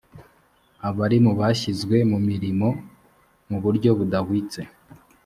abarimu bashyizwe mu mirimo mu buryo budahwitse